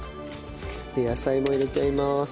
で野菜も入れちゃいます。